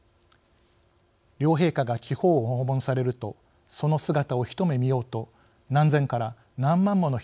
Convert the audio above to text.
両陛下が地方を訪問されるとその姿を一目見ようと何千から何万もの